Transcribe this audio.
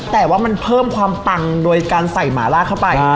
แต่ว่ามันเพิ่มความปังโดยการใส่หมาลากเข้าไป